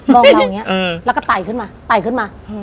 องเราอย่างนี้แล้วก็ไต่ขึ้นมาไต่ขึ้นมา